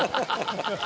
ハハハハ！